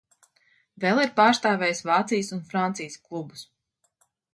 Vēl ir pārstāvējis Vācijas un Francijas klubus.